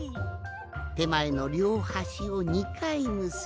てまえのりょうはしを２かいむすんで。